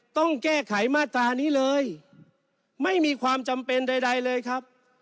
ต้องแก้ไขมาตรานี้เลยไม่มีความจำเป็นใดเลยครับ